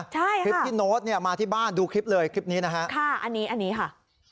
ใช่คลิปที่โน้ตเนี่ยมาที่บ้านดูคลิปเลยคลิปนี้นะฮะค่ะอันนี้อันนี้ค่ะ